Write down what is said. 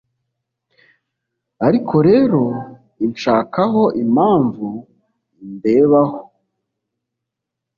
Ariko rero Inshakaho impamvu Indebaho